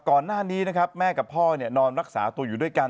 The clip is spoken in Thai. ก่อนหน้านี้นะครับแม่กับพ่อนอนรักษาตัวอยู่ด้วยกัน